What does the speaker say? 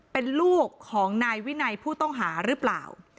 เป็นลูกของนายวินัยผู้ต้องหาหรือเปล่า